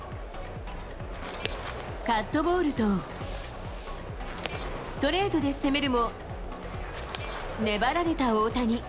カットボールとストレートで攻めるも、粘られた大谷。